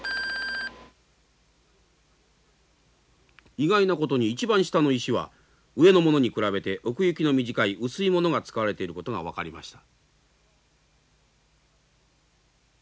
意外なことに一番下の石は上のものに比べて奥行きの短い薄いものが使われていることが分かりました。